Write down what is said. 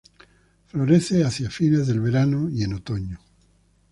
Florece hacia fines del verano y en otoño.